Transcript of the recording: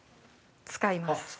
◆使います。